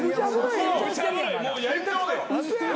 もうやりたくて。